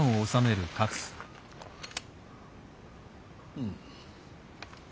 うん。